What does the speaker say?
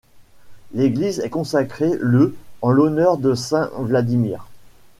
L'église est consacrée le en l'honneur de saint Vladimir.